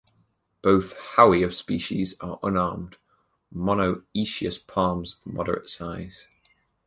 Both "Howea" species are unarmed, monoecious palms of moderate size.